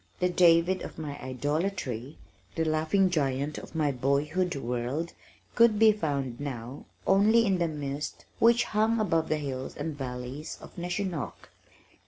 The David of my idolatry, the laughing giant of my boyhood world, could be found now, only in the mist which hung above the hills and valleys of Neshonoc.